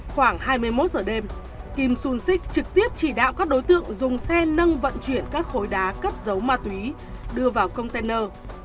khoảng hai mươi một giờ đêm kim sung six trực tiếp chỉ đạo các đối tượng dùng xe nâng vận chuyển các khối đá cất dấu ma túy đưa vào container